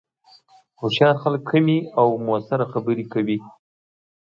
هوښیار خلک کمې، خو مؤثرې خبرې کوي